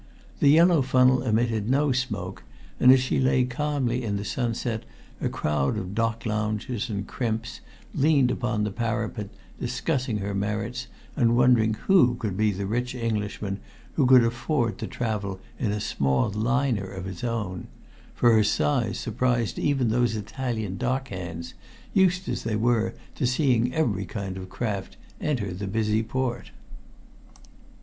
The yellow funnel emitted no smoke, and as she lay calmly in the sunset a crowd of dock loungers and crimps leaned upon the parapet discussing her merits and wondering who could be the rich Englishman who could afford to travel in a small liner of his own for her size surprised even those Italian dock hands, used as they were to seeing every kind of craft enter the busy port.